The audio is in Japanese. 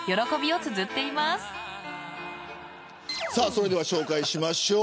それでは紹介しましょう。